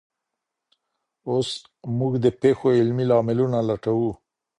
اوس موږ د پیښو علمي لاملونه لټوو.